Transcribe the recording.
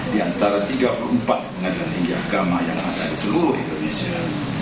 di antara tiga puluh empat pengadilan tinggi agama yang ada di seluruh indonesia